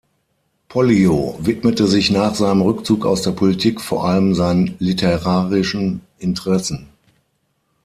Pollio widmete sich nach seinem Rückzug aus der Politik vor allem seinen literarischen Interessen.